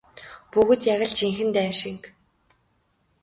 Бүгд яг л жинхэнэ дайн шиг.